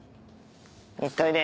行っといで。